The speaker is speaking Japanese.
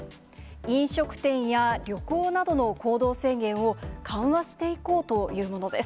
飲食店や旅行などの行動制限を緩和していこうというものです。